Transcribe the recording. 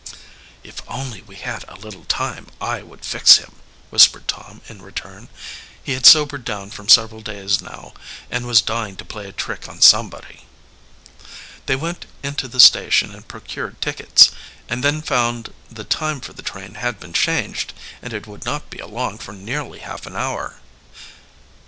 "If only we had a little time I would fix him," whispered Tom in return. He had sobered down for several days now and was dying to play a trick on somebody. They went into the station and procured tickets, and then found the time for the train had been changed, and it would not be along for nearly half an hour.